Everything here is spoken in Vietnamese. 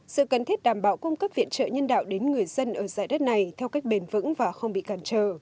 sự cần thiết đảm bảo cung cấp viện trợ nhân đạo đến người dân ở giải đất này theo cách bền vững và không bị cản trở